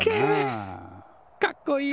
かっこいい。